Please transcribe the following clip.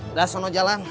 udah sono jalan